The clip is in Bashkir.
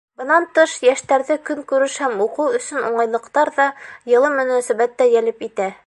Бынан тыш, йәштәрҙе көнкүреш һәм уҡыу өсөн уңайлыҡтар ҙа, йылы мөнәсәбәт тә йәлеп итә.